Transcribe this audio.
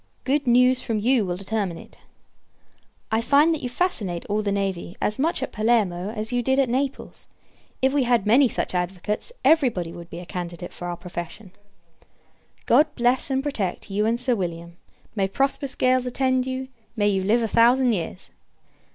Good news from you will determine it. I find, that you fascinate all the navy as much at Palermo as you did at Naples. If we had many such advocates, every body would be a candidate for our profession. God bless, and protect, you and Sir William. May prosperous gales attend you! May you live a thousand years!